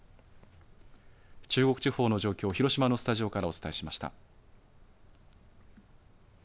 中国地方の状況、広島のスタジオからお伝えしました。